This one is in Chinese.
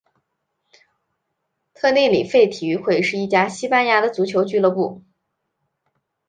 特内里费体育会是一家西班牙的足球俱乐部。